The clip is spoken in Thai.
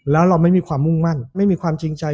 แล้วเราไม่มีความมุ่งมั่นไม่มีความจริงใจ